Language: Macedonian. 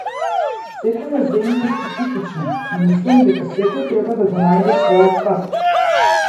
Секоја земја е специфична и мислам дека секој треба да го најде својот пат.